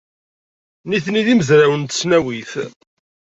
Nitni d imezrawen n tesnawit.